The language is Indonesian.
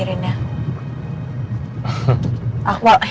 papa tenang aja papa jangan dipikirin ya